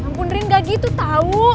ya ampun rin gak gitu tau